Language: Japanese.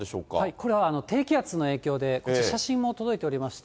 これは低気圧の影響で、写真も届いておりまして。